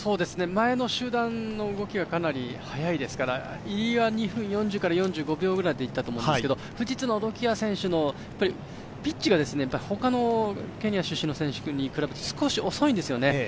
前の集団の動きがかなり速いですから入りは２分４０から４５秒くらいでいったと思うんですけど富士通のロキア選手のピッチが他のケニアの選手に比べて少し遅いんですよね。